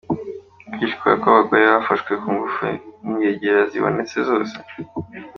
Kwicwa kw’abagore bafashwe ku ngufu n’ingegera zibonetse zose ?